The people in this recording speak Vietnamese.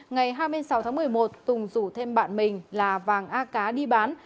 ngày hai mươi sáu tháng một mươi một tùng rủ thêm bạn mình là vàng a cá đi bán